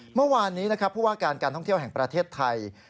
เมื่อวานนี้นะครับผู้ว่าการการท่องเที่ยวแห่งประเทศไทย